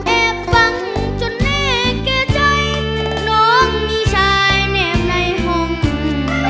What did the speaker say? แอบฟังจนเน่เกลียดใจน้องมีชายแนบในห้องหลอน